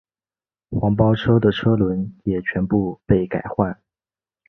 黄包车的车轮也全部被改换。